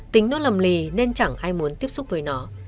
tính nó lầm lì nên chẳng ai muốn tiếp xúc với nó